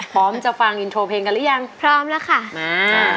พร้อมจะฟังอินโทรเพลงกันหรือยังพร้อมแล้วค่ะมา